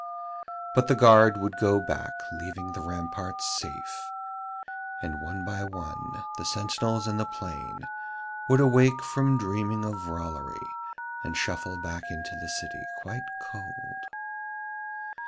But the guard would go back leaving the ramparts safe, and one by one the sentinels in the plain would awake from dreaming of Rollory and shuffle back into the city quite cold.